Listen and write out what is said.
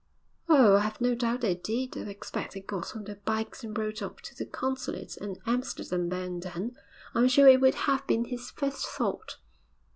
'Oh, I have no doubt they did. I expect they got on their bikes and rode off to the Consulate at Amsterdam there and then. I'm sure it would have been his first thought.'